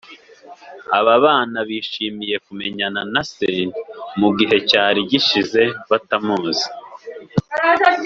Aba bana nabo bishimiye kumenyana na Se mu gihe cyari gishize batamuzi